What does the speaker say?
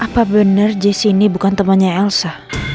apa bener jessi ini bukan temennya elsa